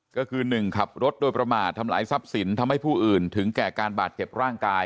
ก็คือ๑ขับรถโดยประมาททำลายทรัพย์สินทำให้ผู้อื่นถึงแก่การบาดเจ็บร่างกาย